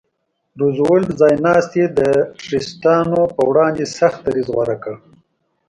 روزولټ ځایناستي د ټرستانو پر وړاندې سخت دریځ غوره کړ.